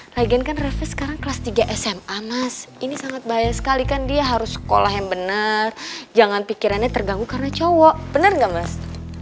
ragen kan refli sekarang kelas tiga sma mas ini sangat bahaya sekali kan dia harus sekolah yang benar jangan pikirannya terganggu karena cowok benar nggak mas